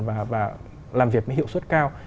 và làm việc với hiệu suất cao